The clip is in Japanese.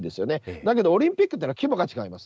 だけどオリンピックというのは規模が違うんです。